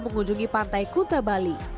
mengunjungi pantai kuta bali